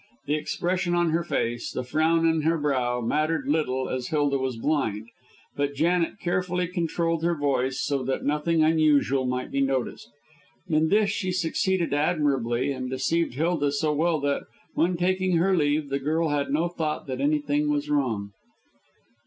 The expression on her face, the frown on her brow, mattered little as Hilda was blind, but Janet carefully controlled her voice so that nothing unusual might be noticed. In this she succeeded admirably, and deceived Hilda so well that, when taking her leave, the girl had no thought that anything was wrong.